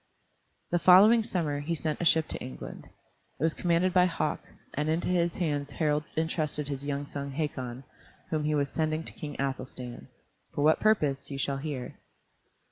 The following summer he sent a ship to England. It was commanded by Hauk, and into his hands Harald intrusted his young son Hakon, whom he was sending to King Athelstan. For what purpose you shall hear.